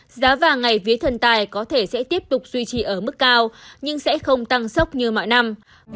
giá vàng ngày vía thần tài có thể sẽ tiếp tục duy trì ở mức cao nhưng sẽ không tăng sốc như mọi năm